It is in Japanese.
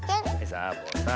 サボさん。